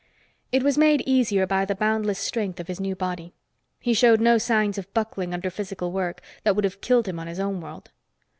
It was made easier by the boundless strength of his new body. He showed no signs of buckling under physical work that would have killed him on his own world.